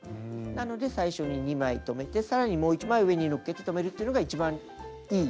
なので最初に２枚留めてさらにもう１枚上にのっけて留めるっていうのが一番いいやり方